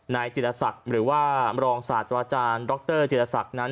จิตรศักดิ์หรือว่ารองศาสตราจารย์ดรจิรศักดิ์นั้น